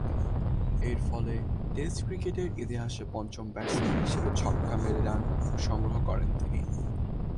এরফলে, টেস্ট ক্রিকেটের ইতিহাসে পঞ্চম ব্যাটসম্যান হিসেবে ছক্কা মেরে রান সংগ্রহ করেন তিনি।